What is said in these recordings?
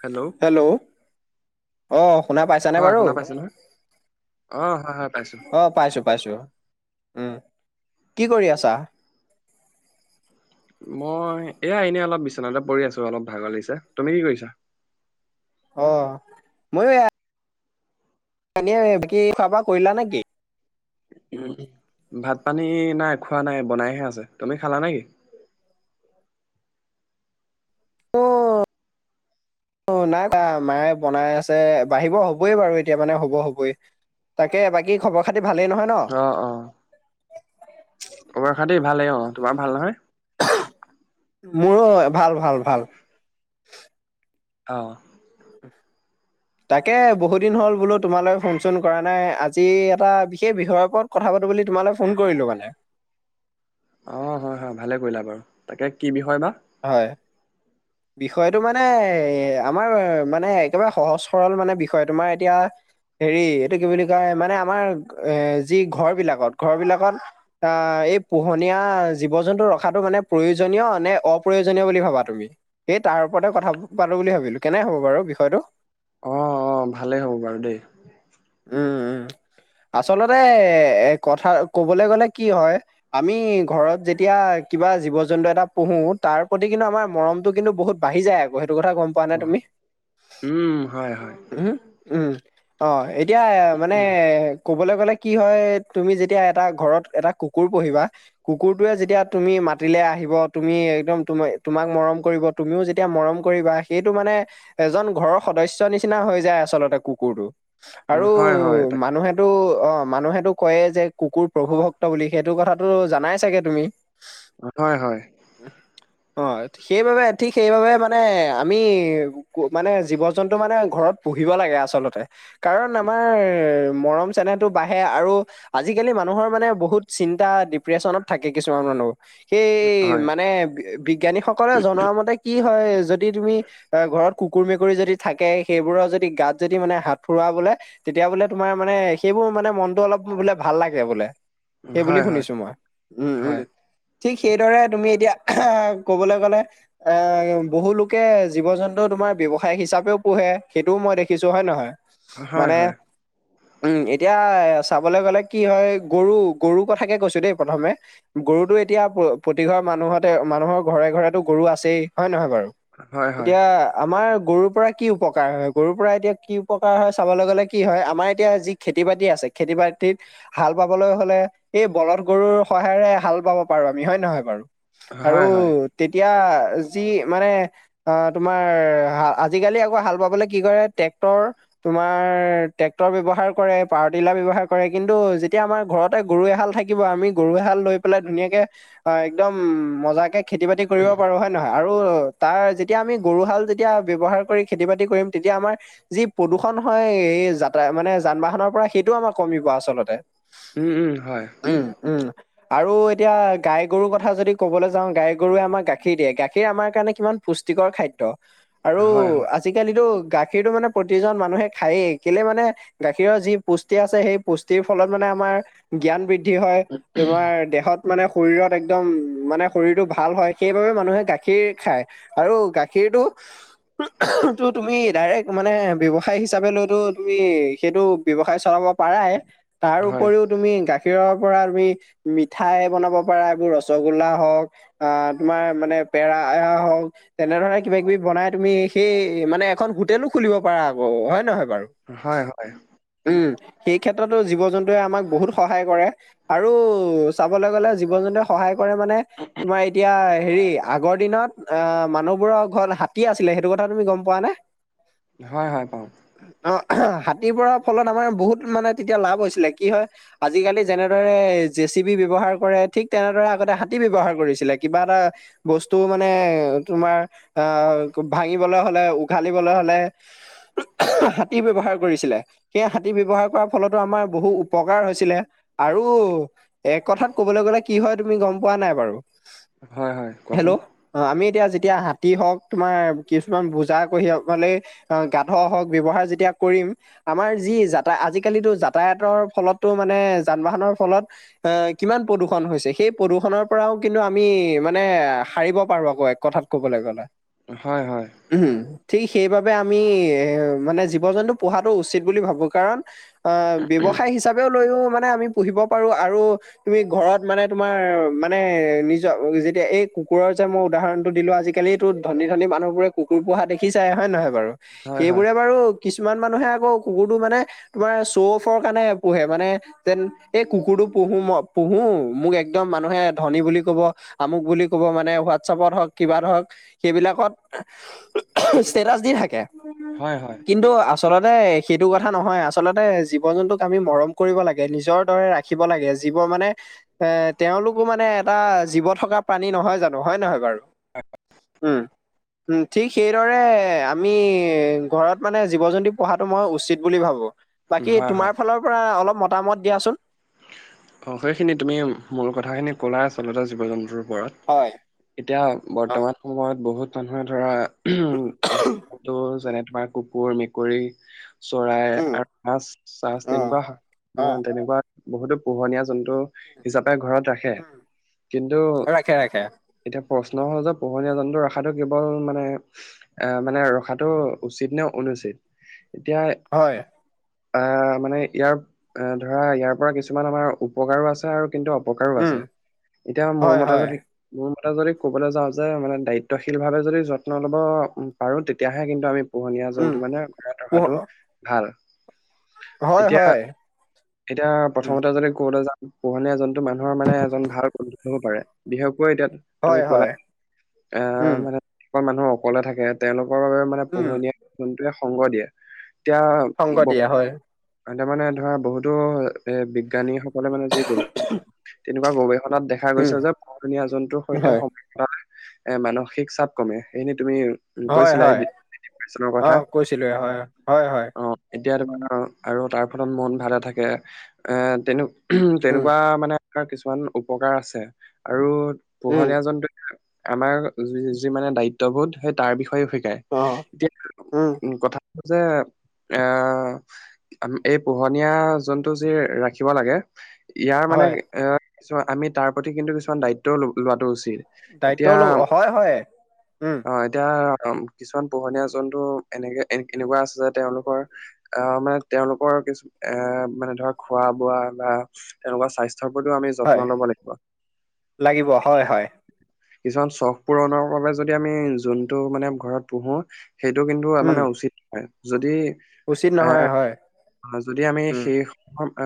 Hello! Hello! অ', শুনা পাইছানে হয় বাৰু? শুনা পাইছে নহয় অ হয় হয় পাইছো অ' পাইছো। পাইছো, উম, কি কৰি আছা? মই, এয়া এনে অলপ বিচনাতে পৰি আছোঁ। অলপ ভাগৰ লাগিছে। তুমি কি কৰিছা? অ' ময়ো এনে বাকী খোৱা বোৱা কৰিলা নেকি? উম, ভাত-পানী নাই খোৱা নাই, বনাইহে আছে। তুমি খালা নে কি? অ'। অ', নাই তা মায়ে বনাই আছে, বাঢ়িব হবয়ে বাৰু, এতিয়া মানে হ'ব হ'বই। তাকে, বাকী খবৰ খাতি ভালেই নহয় ন'? অ', অ'। খবৰ-খাতি ভালে অ', তোমাৰ ভাল নহয়? মোৰো, ভাল, ভাল, ভাল। অ'। [inaudible] তাকে, বহুত দিন হ'ল বোলো, তোমালৈ ফোন চোন কৰা নাই, আজি এটা বিশেষ বিষয় ওপৰত কথা পাতো বুলি তোমালে ফোন কৰিলো মানে। অঁ হয়, হয়, ভালে কৰিলা বাৰু, তাকে কি বিষয় বা? হয়। বিষয়টো মানে, আমাৰ মানে একেবাৰে সহজ সৰল মানে বিষয়, তোমাৰ এতিয়া হেৰি, এইটো কি বুলি কয়, মানে আমাৰ এ, যি ঘৰ বিলাকত, ঘৰ বিলাকত অ', এই পোহনীয়া জীৱ-জন্তু ৰখাটো মানে প্ৰয়োজনীয়, নে অপ্ৰয়োজনীয় বুলি ভাবা তুমি? এই তাৰ ওপৰতে কথা পাতো বুলি ভাবিলো, কেনে হ'ব বাৰু বিষয়টো? অঁ, অঁ, ভালেই হ'ব বাৰু দেই। উম উম আচলতে এ কথা কবলৈ গ'লে কি হয়। আমি ঘৰত যেতিয়া কিবা জীৱ জন্তু এটা পঢহো তাৰ প্ৰতি কিন্তু আমাৰ মৰমতটো কিন্তু বহুত। বাঢ়ি যায় আকৌ সেইটো কথা গম। পোৱা নে অ উম হয় হয়। উ উম অ এতিয়া মানে। ক'বলৈ গ'লে কি হয় তুমি যেতিয়া এটা ঘৰত এটা কুকুৰ পুহিবা। কুকুৰটোয়ে যেতিয়া তুমি মাতিলে আহিব তুমি একদম তম তোমাক মৰম কৰিব। তুমিও যেতিয়া মৰম কৰিবা সেইটো মানে। এজন ঘৰৰ সদস্য নিচিনা হৈ যায় আচলতে কুকুৰটো উম আৰু হয় হয় তাকে মানুহে। এইটো অ মানুহেতো কয় যে কুকুৰ প্ৰভু ভক্ত বুলি সেইটো কথাতটো জানাই চাগে তুমি। [unintelligible] হয় হয়। অ সেইবাবে ঠিক সেইবাবে মানে আমি। মানে জীৱ জন্তু মানে ঘৰত পুহিব লাগে আচলতে। কাৰণ আমাৰ মৰম চেনেহটো বাঢ়ে আৰু। আজিকালি মানুহৰ মানে বহুত চিন্তা ডিপ্ৰেশচনত থাকে কিছুমান মানুহ। সেই হয় মানে বিজ্ঞানীসকলে জনোৱা মতে। কি হয় যদি তুমি ঘৰত কুকুৰ মেকুৰী যদি থাকে সেইবোৰৰ যদি গাত যদি মানে হাত। ফুোৱা বোলে তেতিয়া বোলে তোমাৰ মানে সেইবোৰ মানে মনটো অলপ বোলে ভাল লাগে বোলে। [inaudible] ফুৱা বোলে তেতিয়া ফুৰা বোলে তেতিয়া বোলে তোমাৰ মানে সেইবোৰ মানে মনটো অলপ বোলে ভাল লাগে বোলে। সেই বুলি হয় হয় শুনিছো মই উম উম হয় ঠিক সেইদৰে তুমি এতিয়া আহ ক'বলে গ'লে। এ বহু লোকে জীৱ জন্তু তোমাৰ ব্য্ৱসায় হিচাপেও পোহে সেইটোও মই দেখিছো হয় নহয়। হয় হয় মানে। উম এতিয়া চাবলে গ'লে কি হয় গৰু গৰু কথাকে কৈছো দেই প্ৰথমে। গৰুতো এতিয়া প্ৰতিঘৰ মানুহতে মানুহৰ ঘৰে ঘৰে ত গৰু আছেই হয় নহয় বাৰু। হয় হয় এতিয়া আমাৰ গৰুৰ পৰা কি উপকাৰ হয় গৰুৰ পৰা এতিয়া কি। প্ৰকাৰ হয় চাবলৈ গ'লে কি হয় আমাৰ এতিয়া যি খেতি বাতি আছে খেতি বাতিত। হাল বাবলৈ হলে এই বলধ গৰুৰ সহায়েৰে হাল বাব পাৰো আমি হয় নহয় বাৰু। আৰু হয় হয় তেতিয়া যি মানে। অ তোমাৰ আজিকালি আকৌ হাল বাবলে কি কৰে ট্ৰেক্টৰ। তোমাৰ ট্ৰেক্টৰ ব্যৱহাৰ কৰে পাৱাৰ টিলাৰ ব্যৱহাৰ কৰে কিন্তু যেতিয়া আমাৰ ঘৰত। ততে গৰু এহাল থাকিব আমি গৰু এহাল লৈ পেলাই ধুনীয়াকে অ একদম মজাকে। খেতি বাতি কৰিব পাৰোঁ হয়। নহয় আৰু তাৰ যেতিয়া আমি গৰু হাল যেতিয়া ব্যৱহাৰ কৰি খেতি বাতি কৰিম তেতিয়া আমাৰ যি। প্ৰদূষণ হয়। এই যাতা মানে যান বাহনৰ পৰা সেইটো আমাৰ কমিব আচলতে। উম, উম, হয়। [unintelligible] আৰু এতিয়া গাই গৰুৰ কথা যদি কবলৈ যাওঁ গাই গৰুৱে আমাক গাখীৰ দিয়ে গাখীৰ আমাৰ কাৰণে কিমান পুষ্টিকৰ খাদ্য আৰু হয় হয় আজিকালিতো গাখীৰতটো মানে প্ৰতিজন মানুহে খায়েই কেলে মানে গাখীৰৰ যি পুষ্টি আছে সেই পুষ্টিৰ ফলত আমাৰ। জ্ঞান বৃদ্ধি হয় তোমাৰ দেহত। মানে শৰীৰত একদম মানে শৰীৰটো ভাল হয়। সেইবাবে মানুহে গাখীৰ খায়। আৰু গাখীৰটো টো তুমি ডাইৰেক্ট মানে ব্যৱসায় হিচাপে লৈতো তুমি সেইটো ব্যৱসায় চলাব পাৰাই তাৰ হয় উপৰিও। তুমি গাখীৰৰ পৰা তুমি মিঠাই বনাব পাৰা এইবোৰ ৰসগোল্লা হক। আ তোমাৰ মানে পেৰা [unintelligible] তেনেধৰণে কিবা কিবি বনাই তুমি সেই মানে এখন হোটেলো খুলিব পাৰা আকৌ হয় নহয় বাৰু। হয়, হয়। উম, সেই ক্ষেত্ৰতো জীৱ জন্তুয়ে আমাক বহুত সহায় কৰে। আৰু চাবলৈ গ'লে জীৱ জন্তুৱে সহায় কৰে মানে তোমাৰ এতিয়া হেৰি আগৰ দিনত, অ' মানুহবোৰৰ ঘৰত হাতী আছিলে সেইটো কথা তুমি গম পোৱা নে? হয়, হয় পাওঁ। অ', হাতীৰ পৰা ফলত আমাৰ বহুত মানে তেতিয়া লাভ হৈছিলে, কি হয় আজিকালি যেনেদৰে জেচি বি ব্যৱহাৰ কৰে, ঠিক তেনেদৰে আগতে হাতী ব্যৱহাৰ কৰিছিলে কিবা এটা বস্তু মানে তোমাৰ আহ ভাঙিবলৈ হলে, উঘালিবলৈ [unintelligible] মানে হাতী ব্যৱহাৰ কৰিছিলে। সেই হাতী ব্যৱহাৰ কৰাৰ ফলতো আমাৰ বহু উপকাৰ হৈছিলে। আৰু এক কথাত কবলৈ গলে, কি হয় তুমি গম পোৱা নাই বাৰু? হয়, হয়, হেল্ল' কোৱাচোন। অ' আমি এতিয়া যেতিয়া হাতী হওক, তোমাৰ কিছুমান বুজা কঢিয়া বলে অ', গাধ হক ব্যৱহাৰ যেতিয়া কৰিম আমাৰ যি যাতা আজিকালিতো যাতায়াতৰ ফলতো মানে, যান বাহনৰ ফলত আহ কিমান প্ৰদূষণ হৈছে, সেই প্ৰদূৰষণৰ পৰাও কিন্তু আমি মানে সাৰিব পাৰো আকৌ এক কথাত। কবলে [unintelligible] হয়' হয়। উম, ঠিক সেইবাবে আমি এ' মানে জীৱ-জন্তু পূহাটো উচিত বুলি ভাবো কাৰণ অ' ব্যৱসায় হিচাপেও লৈও মানে আমি পুহিব পাৰো আৰু তুমি ঘৰত মানে তোমাৰ মানে, নিজৰ যেতিয়া এই কুকুৰৰ যে মই উদাহৰণটো দিলো আজিকালি তো ধনী ধনী মানুহ বোৰে কুকুৰ পোহা দেখিচাই হয় নহয় বাৰু, হয় হয় সেইবোৰে বাৰু কিছুমান মানুহে আকৌ কুকুৰটো মানে, তোমাৰ শ্ব'ফৰ কাৰণে পোহে মানে যেন এই কুকুৰটো পুহো মই পুহো, মোক একদম মানুহে ধনী বুলি কব। আমুক বুলি কব মানে, হোৱাটছপত হওক কিবাত হওক সেইবিলাকত ষ্টেটাচ দি থাকে, হয় হয় কিন্তু আ আচলতে সেইটো কথা নহয়, আচলতে জীৱ-জন্তুক আমি মৰম কৰিব লাগে নিজৰ দৰে ৰা ৰাখিব লাগে যিবোৰ মানে এ' তেওঁলোকো মানে এটা, জীৱ থকা প্ৰাণী নহয় জানো হয় নহয় বাৰু? [unintelligible] উম, উম, ঠিক সেইদৰে আমি ঘৰত মানে জীৱ-জন্তু পহাটো মই উচিত বুলি ভাবো। বাকী হয় হয় তোমাৰ ফালৰ পৰা অলপ মতামত দিয়াচোন। অ সেইখিনি তুমি মূল কথাখিনি ক'লা আচলতে জীৱ-জন্তুৰ ওপৰত। হয়। এতিয়া অ বৰ্তমান সময়ত বহুত মানুহে ধৰা উম, এটো যেনে তোমাৰ কুকুৰ, মেকুৰী চৰাই উম আৰ মাছ চাছ অ তেনেকুৱা অ মানে তেনেকুৱা বহুতো পোহনীয়া জন্তু হিচাপে ঘৰত ৰাখে। উম কিন্তু ৰাখে ৰাখে এতিয়া প্ৰশ্ন হ'ল যে, পোহনীয়া জন্তু ৰখাটো কেৱল মানে এ মানে ৰখাটো উচিত নে অনুচিত? এতিয়া হয়। অ মানে ইয়াৰ ধৰা ইয়াৰ পৰা কিছুমান উপকাৰো আছে আৰু কিন্তু অ পকাৰো উম আছে, এতিয়া মোৰ হয় মতে হয় যদি মোৰ মতে যদি ক'বলৈ যাওঁ যে, মানে দায়িত্বশীল ভাৱে যদি যত্ন ল'ব পাৰো তেতিয়াহে কিন্তু আমি পোহনীয়া উম জন্তু মানে ঘৰত ৰখাটো পোহ- ভাল। হয় এতিয়া, হয় এতিয়া উম প্ৰথমতে মই যদি কৈ থই যাওঁ পোহনীয়া এজনো মানুহৰ মানে এজন ভাল হব পাৰে, বিশেষকৈ এতিয়া তুমি হয় কলা হয় আ উম মানে কিছুমান মানুহ অকলে থাকে তেওঁলোকৰ বাবে মানে উম, পোহনীয়া জন্তুৱে সংগ দিয়ে। এতিয়া সংগ দিয়ে, হয়। এ তা মানে ধৰ বহুতো এ বিজ্ঞানীসকলে মানে যি গ তেনেকুৱা গৱেষ ষনাত দেখা উম, গৈছে যে পোহনীয়া জন্তুৰ সৈতে হয়। সম [unintelligible] এ মানসিক চাপ কমে এনেই তুমি হয়, কৈছিলা এ হয়, [unintelligible] কথা, অ', কৈছিলোৱে হয়, হয়, হয়, অ। এতিয়া তোমাৰ আৰু তাৰ ফলত মন ভালে থাকে এ তেনে উ উম, তেনেকুৱা মানে কিছুমান উপকাৰ আছে আৰু উম, পোহনীয়া জন্তু আমাৰ যি মানে দায়িত্ববোধ সেই তাৰ বিষয়েও শিকায়। অ', এতিয়া উম, উ কথাটো যে এ এই পোহনীয়া জন্তু যি ৰাখিব লাগে ইয়াৰ মানে হয়, এ চোৱা আমি তাৰ প্ৰতি কিন্তু কিছুমান দায়িত্বও লোৱাটো উচিত। এতিয়া দায়িত্ব‌ও ল‌ও হয় হয় উম। তিয়া কিছুমান পোহনীয়া জন্তু এনেকে এ এনেকুৱা আছে যে তেওঁলোকৰ অ মানে তেওঁলোকৰ কিছু এ মানে ধৰ খোৱা বোৱা বা তেনেকুৱা স্বাস্থ্যৰ প্ৰতিও আমি হয়, যত্ন ল'ব লাগিব। লাগিব হয় হয়। কিছুমান চখ পূৰণৰ বাবে যদি আমি জন্তু মানে ঘৰত পোহো, সেইটো কিন্তু উম, মানে উচিত নহয়। যদি উচিত এ নহয়, হয়, যদি আমি উম, সেই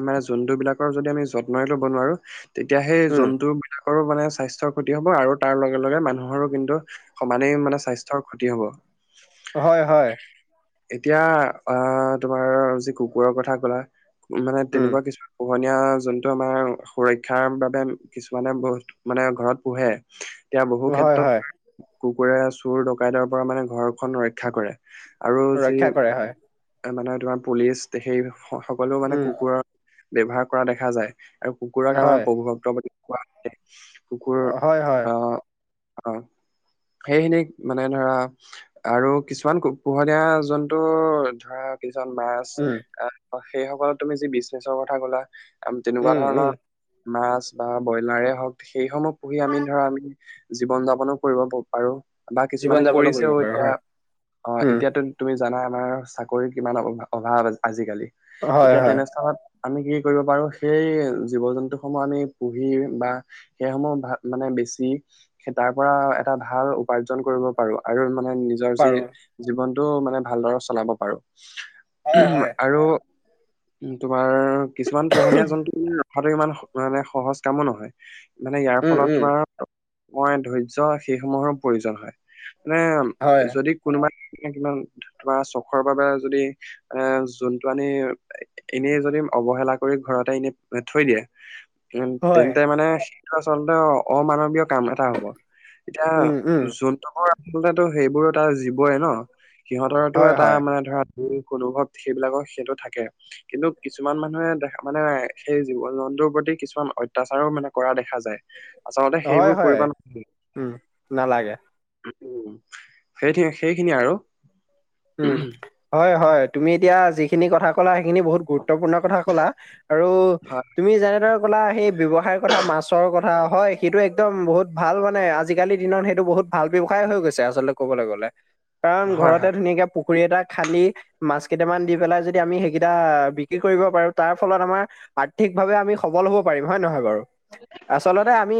মানে জন্তুবিলাকৰ যদি আমি যত্ন‌ই ল'ব নোৱাৰো তেতিয়া সেই উম, জন্তু বিলাকৰো মানে স্বাস্থ্যৰ ক্ষতি হ'ব আৰু তাৰ লগে লগে মানুহৰো কিন্তু সমানেই মানে স্বাস্থ্যৰ ক্ষতি হ'ব। হয় হয়। এতিয়া অ তোমাৰ যি কুকুৰৰ কথা কলা মানে উম, তেনেকুৱা কিছুমান পোহনীয়া জন্তু আমাৰ সুৰক্ষাৰ বাবে কিছুমানে বহুত মানে ঘৰত পোহে। এতিয়া বহু হয়, হয়, ক্ষেত্ৰত কুকুৰে চুৰ ডকাইতৰ পৰা মানে ঘৰখন ৰক্ষা কৰে। আৰু যি ৰক্ষা কৰে, হয়, মানে তোমাৰ পুলিচ সেই সকলো মানে উম, কুকুৰৰ ব্যৱহাৰ কৰা দেখা যায় আৰু কুকুৰক আমাৰ হয়, প্ৰভুভক্ত বুলি কোৱা হয় কুকুৰৰ হয় হয়। অ অ সেইখিনিক মানে ধৰা আৰু কিছুমান কু পোহনীয়া জন্তু ধৰা কিছুমান ভাইৰাছ উম, সেই সকলক তুমি যি বিজনেছৰ কথা কলা তেনেকোৱা উম, উম, ধৰণৰ মাছ বা ব্ৰইলাৰে হওক সেইসমূহ পুহি আমি ধৰা আমি জীৱন যাপনো কৰিব পাৰো। বা জীৱন কিছুমানে যাপনো কৰিব কৰিছেও পাৰো, এতিয়া হয়, অ উম, এতিয়াতো তুমি জানা আমাৰ চাকৰি কিমান অ অভাৱ আ আজিকালি হয়, এতিয়া হয়, তেনেস্থলত আমি কি কৰিব পাৰো সেই জীৱ-জন্তুসমূহ আমি পুহি বা সেইসমূহ ভা মানে বেছি তাৰ পৰা এটা ভাল উপাৰ্জন কৰিব পাৰো আৰু মানে নি জৰ যি পাৰো, জীৱনতটোও মানে ভালদৰে চলাব পাৰো হয়, হয়, উমহ আৰু তোমাৰ কিছুমান পোহনীয়া জন্তু ৰখাতো ইমান মানে সহজ কামো নহয়। মানে ইয়াৰ উম, ফলত উম, তোমাৰ মই ধৈৰ্য্য সেইসমূহৰো প্ৰয়োজন হয় মানে হয়, যদি কোনোবা কিমান তোমাৰ চখৰ বাবে যদি এ জন্তু আনি এনেই যদি অৱহেলা কৰি ঘৰতে এনে থৈ দিয়ে [inaudible] উম হয়, তেন্তে মানে সেইটো আচলতে অমানৱীয় কাম এটা হ'ব। এতিয়া উম, উম, জন্তুবোৰ আচলতে সেইবোৰ এটা জীৱয়ে ন। সিহঁতৰতো হয়, এটা হয়, মানে ধৰা অনুভৱ সেইবিলাকৰ সেইটো থাকে। কিন্তু কিছুমান মানুহে দে মানে সেই জীৱ জন্তুৰ প্ৰতি কিছুমান অত্যাচাৰো মানে কৰা দেখা যায়, আচলতে হয়, সেইবোৰ হয়। কৰিব না উম, নালাগে উম সেইখিনি সেইখিনিয়ে আৰু। উম হয় হয় তুমি এতিয়া যিখিনি কথা ক'লা সেইখিনি বহুত গুৰুত্বপূৰ্ণ কথা ক'লা আৰু হয় তুমি যেনেদৰে ক'লা সেই ব্যৱসায়ৰ কথা, মাছৰ কথা হয় সেইটো একদম বহুত ভাল মানে আজিকালিৰ দিনত সেইটো বহুত ভাল ব্যৱসায় হৈ গৈছে আঁচলতে ক'বলে গ'লে, কাৰণ হয় ঘৰতে হয় ধুনীয়াকে পুখুৰী এটা খান্দি মাছ কেইটামান দি পেলাই যদি আমি সেইকেইটা বিক্ৰী কৰিব পাৰো, তাৰ ফলত আমাৰ আৰ্থিকভাৱে আমি সবল হ'ব পাৰিম, হয় নহয় বাৰু আচলতে আমি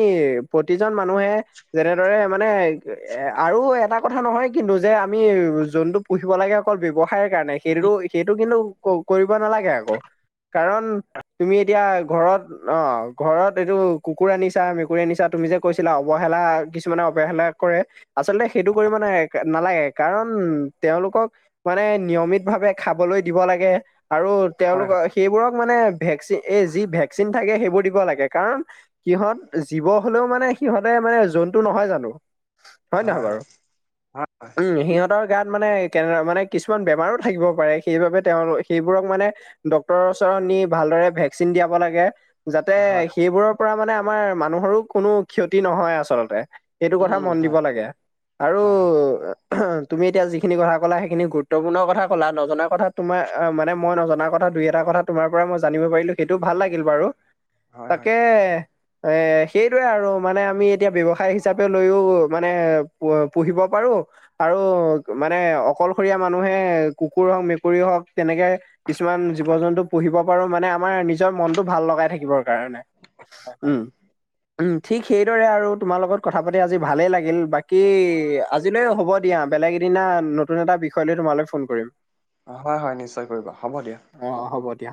প্ৰতিজন মানুহে যেনেদৰে মানে এ আৰু এটা কথা নহয় কিন্তু যে আমি যোনটো পুহিব লাগে অকল ব্যৱসায়ৰ কাৰণে, সেইটো সেইটো কিন্তু কৰিব নালাগে আকৌ। কাৰণ তুমি এতিয়া ঘৰত অ ঘৰত এইটো কুকুৰ আনিছা, মেকুৰী আনিছা তুমি যে কৈছিলা অৱহেলা কিছুমানে অৱহেলা কৰে আচলতে সেইটো কৰিব নে নালাগে কাৰণ তেওঁলোকক মানে নিয়মিত ভাৱে খাবলৈ দিব লাগে আৰু হয় তেওঁলোকৰ সেইবোৰক মানে ভেকচিন এই যি ভেকচিন থাকে সেইবোৰ দিব লাগে কাৰণ সিহঁত জীৱ হ'লেও মানে, সিহঁতে মানে জন্তু নহয় জানো হয় নহয় বাৰু, হয় উম সিহঁতৰ গাত মানে কেনে মানে কিছুমান বেমাৰো থাকিব পাৰে সেইবাবে তেওঁ সেইবোৰক মানে ডক্তৰৰ ওচৰত নি ভালদৰে ভেকচিন দিয়াব লাগে। যাতে হয় হয় হয় হয় হয় সেইবোৰৰ পৰা মানে আমাৰ মানুহৰো কোনো ক্ষতি নহয় আচলতে। এইটো উম কথা উম মন দিব হয় লাগে আৰু হয় হয় তুমি এতিয়া যি সেইখিনি কথা ক'লা সেইখিনি গুৰুত্বপূৰ্ণ কথা ক'লা, নজনা কথা তোমাৰ মানে মই নজনা কথা দুই এটা কথা তোমাৰ পৰা মই জানিব পাৰিলো সেইটো ভাল লাগিল বাৰু। হয় তাকে হয় এ সেইটোয়ে আৰু মানে আমি এতিয়া ব্যৱসায় হিচাপে লৈও মানে পুহ-পুহিব পাৰো আৰু মানে অকলশৰীয়া মানুহে কুকুৰ হওক মেকুৰী হওক তেনেকে কিছুমান জীৱ জন্তু পুহিব পাৰো মানে আমাৰ নিজৰ মনটো ভাল লগাই থাকিবৰ কাৰণে। হয় হয় উম। উম, ঠিক সেইদৰে আৰু তোমাৰ লগত কথা পাতি আজি ভালেই লাগিল বাকী আজিলৈ হ'ব দিয়া, বেলেগ এ দিনা নতুন এটা বিষয় লৈ তোমালৈ ফোন কৰিম। অ', হয় হয় নিশ্চয় কৰিবা, হ'ব দিয়া। অ' হ'ব দিয়া।